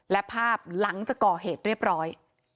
และภาพหลังจากก่อเหตุเรียบร้อย